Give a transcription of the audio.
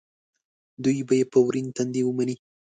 دوی به یې په ورین تندي ومني.